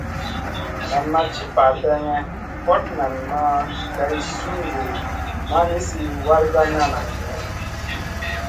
Nan ma ci parpèŋè, hot nan ma ŋay sungun ma nizi wragandana.